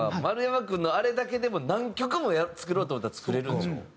丸山君のあれだけでも何曲も作ろうと思ったら作れるんでしょ？